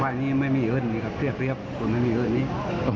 ฝ่ายนี้ไม่มีเอิญนี้ครับเรียบคนไม่มีเอิญนี้